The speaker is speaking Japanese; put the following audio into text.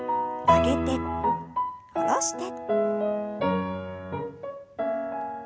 上げて下ろして。